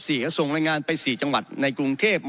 ส่งรายงานไป๔จังหวัดในกรุงเทพ